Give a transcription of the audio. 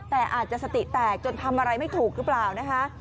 แต่อาจจะสติแตกจนทำอะไรไม่ถูกหรือเปล่านะคะ